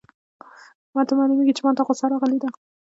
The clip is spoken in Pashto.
ما ته معلومیږي چي ما ته غوسه راغلې ده.